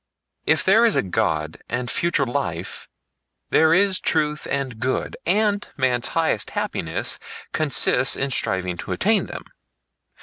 "If there is a God and future life, there is truth and good, and man's highest happiness consists in striving to attain them.